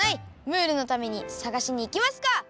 ムールのためにさがしにいきますか！